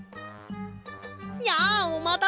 やあおまたせ！